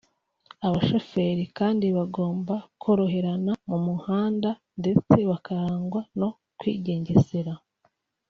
Abashoferi kandi bagomba koroherana mu muhanda ndetse bakarangwa no kwigengesera